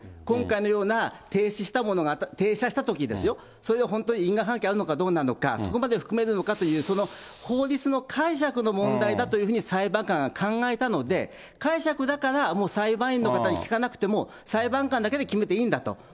今回のような停止したものが、停車したときですよ、それが本当に因果関係あるのかどうなのか、そこまで含めるのかどうなのか、その法律の解釈の問題だというふうに裁判官が考えたので、解釈だから、もう裁判員の方に聞かなくても、裁判官だけで決めていいんだと。